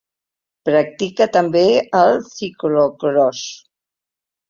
Practica també el ciclocròs.